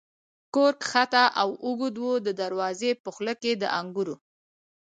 کور کښته او اوږد و، د دروازې په خوله کې د انګورو.